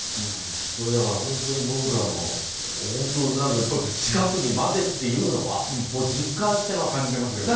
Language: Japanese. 本当に僕らの近くにまでっていうのは実感してます。